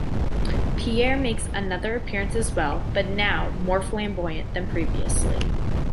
Pierre makes another appearance as well, but is now more flamboyant than previously.